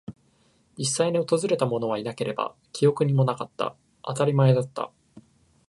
実際に訪れたものはいなければ、記憶にもなかった。当たり前だった。